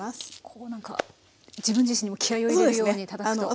こう何か自分自身にも気合いを入れるようにたたくと。